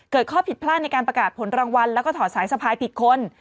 ข้อผิดพลาดในการประกาศผลรางวัลแล้วก็ถอดสายสะพายผิดคน